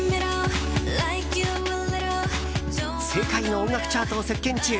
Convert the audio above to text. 世界の音楽チャートを席巻中！